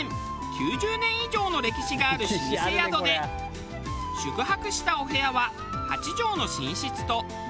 ９０年以上の歴史がある老舗宿で宿泊したお部屋は８畳の寝室と６畳の和室。